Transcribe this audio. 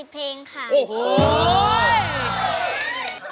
๖๐เพลงค่ะ